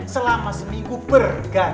selama seminggu bergantian